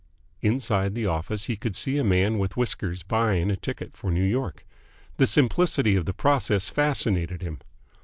Inside the office he would see a man with whiskers buying a ticket for New York. The simplicity of the process fascinated him.